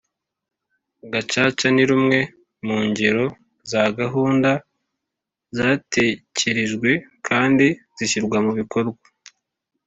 Gacaca ni rumwe mu ngero za gahunda zatekerejwe kandi zishyirwa mu bikorwa